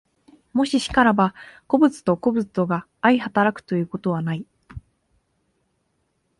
もし然らば、個物と個物とが相働くということはない。